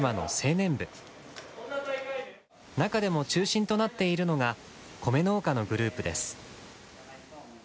中でも中心となっているのが米農家のグループです。